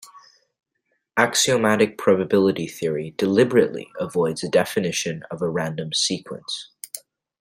Axiomatic probability theory "deliberately" avoids a definition of a random sequence.